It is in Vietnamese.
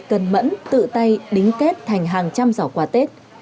cần mẫn tự tay đính kết thành hàng trăm giỏ quà tết